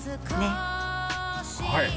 はい！